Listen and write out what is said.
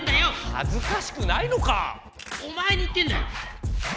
はずかしくないのか⁉おまえに言ってんだよ！